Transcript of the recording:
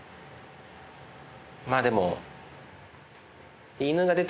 まぁでも。